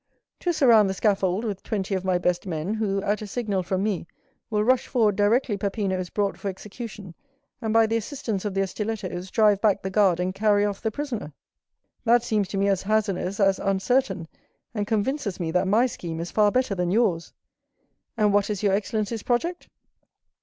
"To surround the scaffold with twenty of my best men, who, at a signal from me, will rush forward directly Peppino is brought for execution, and, by the assistance of their stilettos, drive back the guard, and carry off the prisoner." "That seems to me as hazardous as uncertain, and convinces me that my scheme is far better than yours." "And what is your excellency's project?"